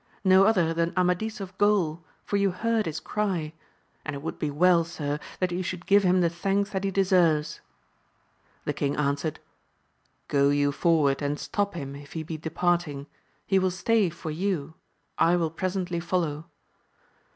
No other than Amadis of Gaul, for you heard his cry ; and it would be well, sir, that you should give him the thanks that he deserves. The king answered, Go you forward and stop him if he be departing ; he will stay for you. I will presently follow.